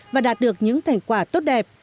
và đạt được những thành quả tốt đẹp